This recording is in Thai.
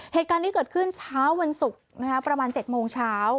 เหตุการณ์นี้เกิดขึ้นเช้าวันศุกร์ประมาณ๗โมงเช้า